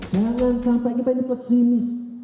jangan sampai kita ini pesimis